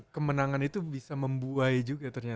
kemenangan itu bisa membuai juga ternyata